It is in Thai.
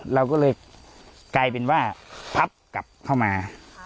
เราก็เลยกลายเป็นว่าพับกลับเข้ามา